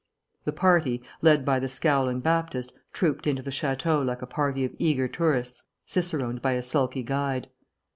The party, led by the scowling Baptist, trooped into the château like a party of eager tourists ciceroned by a sulky guide.